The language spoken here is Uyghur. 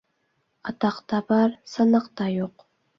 ئاتاقتا بار، ساناقتا يوق.